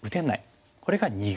これが「二眼」。